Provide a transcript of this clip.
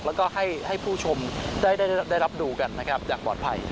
แล้วก็ให้ผู้ชมได้รับดูกันนะครับอย่างปลอดภัย